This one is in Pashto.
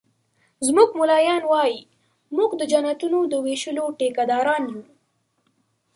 زموږ ملایان وایي مونږ د جنتونو د ویشلو ټيکه داران یو